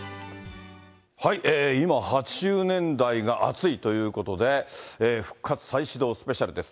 今、８０年代が熱いということで、復活再始動スペシャルです。